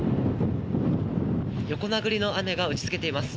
横殴りの雨が打ちつけています。